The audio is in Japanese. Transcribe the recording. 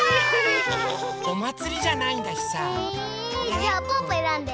じゃあぽぅぽえらんで。